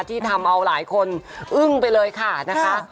ที่ทำเอาหลายคนอึ้งไปเลยค่ะนะคะ